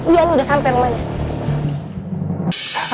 iya lu udah sampe rumahnya